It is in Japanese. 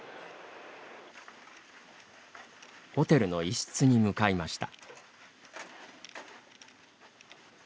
ホテルの一室に向かいました。